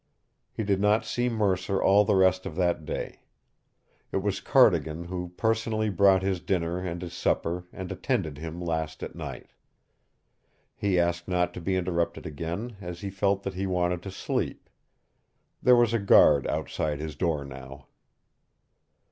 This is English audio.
He did not see Mercer all the rest of that day. It was Cardigan who personally brought his dinner and his supper and attended him last at night. He asked not to be interrupted again, as he felt that he wanted to sleep. There was a guard outside his door now.